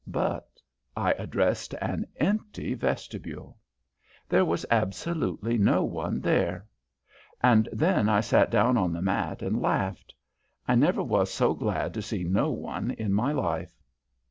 But I addressed an empty vestibule. There was absolutely no one there, and then I sat down on the mat and laughed. I never was so glad to see no one in my life.